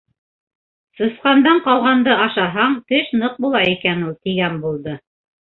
- Сысҡандан ҡалғанды ашаһаң, теш ныҡ була икән ул, - тигән булды.